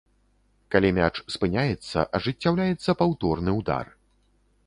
Калі мяч спыняецца ажыццяўляецца паўторны ўдар.